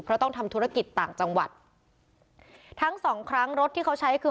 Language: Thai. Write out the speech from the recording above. เพราะต้องทำธุรกิจต่างจังหวัดทั้งสองครั้งรถที่เขาใช้คือ